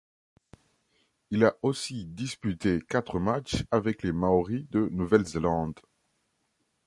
Il a aussi disputé quatre matchs avec les Māori de Nouvelle-Zélande.